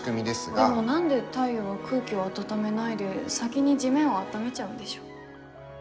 でも、何で太陽は空気を温めないで、先に地面を温めちゃうんでしょう？